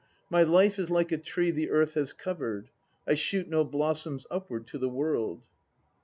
My life is like a tree the earth has covered; I shoot no blossoms upward to the world.